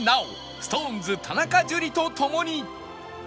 ＳｉｘＴＯＮＥＳ 田中樹と共に